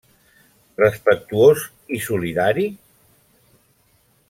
Respectuós i solidari?